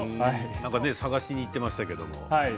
探しに行っていましたけど。